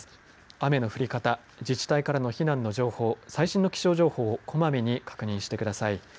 雨の降り方、自治体からの避難の情報、最新の気象情報を小まめに確認してください。